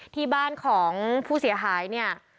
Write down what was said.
ที่บ้านของผู้เสียหายเนี่ย